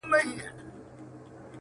او د خپل زړه په تصور كي مي،